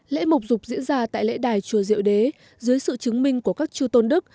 lễ mộc rục diễn ra tại lễ đài chùa diệu đế dưới sự chứng minh của các chư tôn đức